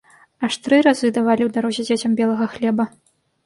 Аж тры разы давалі ў дарозе дзецям белага хлеба.